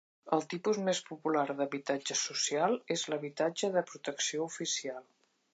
El tipus més popular d'habitatge social és l'habitatge de protecció oficial